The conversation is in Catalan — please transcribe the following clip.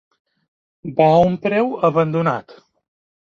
Va a un preu abandonat.